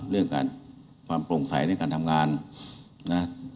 เรื่องการความโปร่งใสในการทำงานนะ